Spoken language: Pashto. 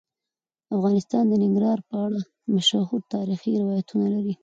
افغانستان د ننګرهار په اړه مشهور تاریخی روایتونه لري.